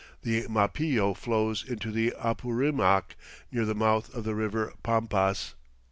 The Mapillo flows into the Apurimac near the mouth of the river Pampas.